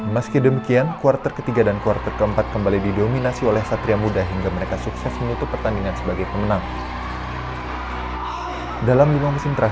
mungkin kita buktiin kalau satria muda punya mental juara